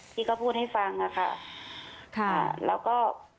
ที่ก็พูดให้ฟังอะค่ะค่ะแล้วก็